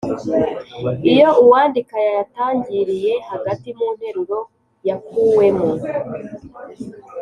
iyo uwandika yayatangiriye hagati mu nteruro yakuwemo.